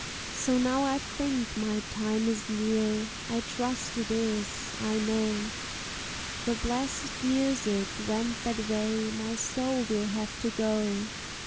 So now I think my time is near; I trust it is. I know The blessèd music went that way my soul will have to go.